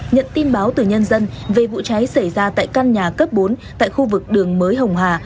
nhận tin báo từ nhân dân về vụ cháy xảy ra tại căn nhà cấp bốn tại khu vực đường mới hồng hà